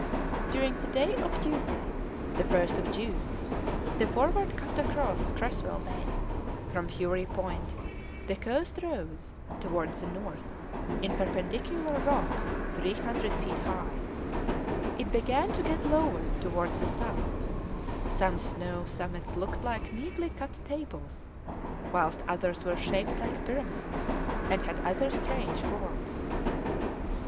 During the day of Thursday, the 1st of June, the Forward cut across Creswell Bay; from Fury Point the coast rose towards the north in perpendicular rocks three hundred feet high; it began to get lower towards the south; some snow summits looked like neatly cut tables, whilst others were shaped like pyramids, and had other strange forms.